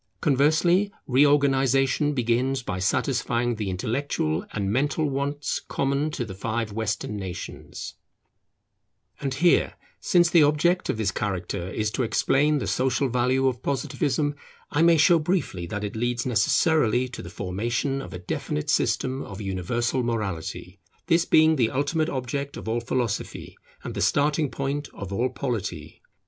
Conversely, reorganization begins by satisfying the intellectual and mental wants common to the five Western nations. [The Ethical system of Positivism] And here, since the object of this character is to explain the social value of Positivism, I may show briefly that it leads necessarily to the formation of a definite system of universal Morality; this being the ultimate object of all Philosophy, and the starting point of all Polity.